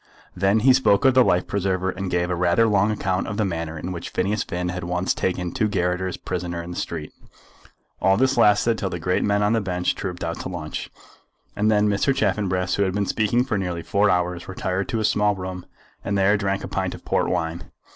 Then he spoke of the life preserver, and gave a rather long account of the manner in which Phineas Finn had once taken two garotters prisoner in the street. All this lasted till the great men on the bench trooped out to lunch. And then Mr. Chaffanbrass, who had been speaking for nearly four hours, retired to a small room and there drank a pint of port wine.